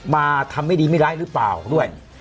มาทำไม่ดีไม่ร้ายหรือเปล่าด้วย